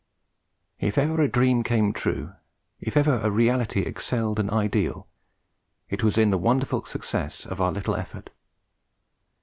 If ever a dream came true, if ever a reality excelled an ideal, it was in the wonderful success of our little effort.